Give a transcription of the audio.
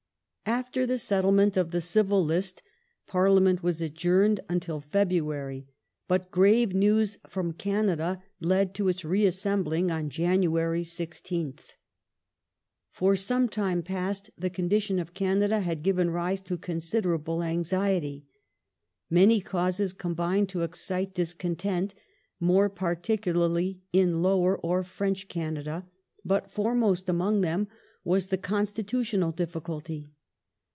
v After the settlement of the Civil List Parliament was adjourned The Can until February, but grave news from Canada led to its reassembling ^^^^^^' on January 16th. For some time past the condition of Canada had given rise to considerable anxiety. Many causes combined to excite discontent, more particularly in Lower or French Canada, but foremost among them was the constitutional difficulty.